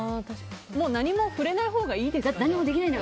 もう何も触れないほうがいいですか？